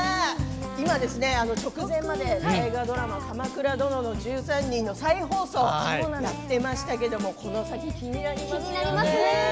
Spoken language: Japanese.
今、直前まで大河ドラマ「鎌倉殿の１３人」再放送をやっていましたけれどこの先、気になりますよね。